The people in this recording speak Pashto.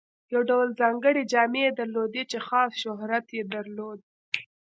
یو ډول ځانګړې جامې یې درلودې چې خاص شهرت یې درلود.